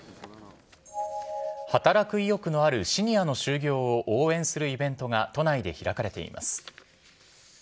働く意欲のあるシニアの就業を応援するイベントが都内で開かれています。